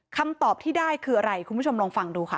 คำตอบที่ได้คืออะไรคุณผู้ชมลองฟังดูค่ะ